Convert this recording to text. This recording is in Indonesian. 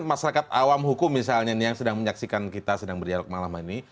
masyarakat awam hukum misalnya yang sedang menyaksikan kita sedang berdialog malam ini